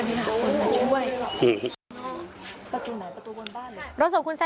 ไม่ฮะผมแก้ช่วยพี่ประตูไหนประตูวนบ้านเลย